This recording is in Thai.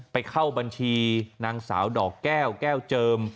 ไปเข้าบัญชีนางสาวดอกแก้วแก้วเจิม